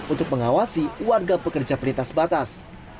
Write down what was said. untuk mengawasi warga pekerja peritas batas